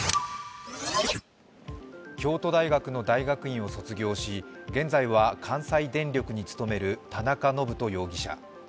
京都大学の大学院を卒業し、現在は関西電力に勤める田中信人容疑者。